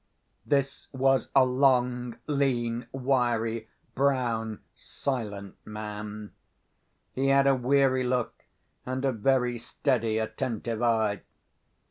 This was a long, lean, wiry, brown, silent man. He had a weary look, and a very steady, attentive eye.